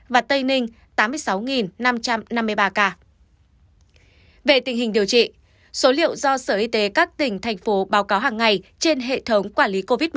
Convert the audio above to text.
về tình hình điều trị số liệu do sở y tế các tỉnh thành phố báo cáo hàng ngày trên hệ thống quản lý covid một mươi chín